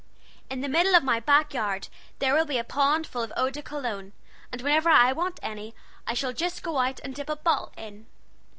In the middle of my back yard there will be a pond full of Lubin's Extracts, and whenever I want any I shall go just out and dip a bottle in.